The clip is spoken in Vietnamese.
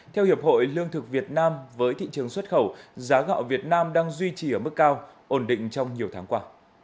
theo hiệp hội lương thực việt nam với thị trường xuất khẩu giá gạo việt nam đang duy trì ở mức cao ổn định trong nhiều tháng qua